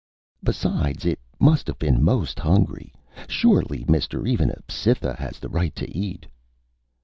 "Besides, it must have been most hungry. Surely, mister, even a Cytha has the right to eat."